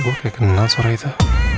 gue udah kenal suara itu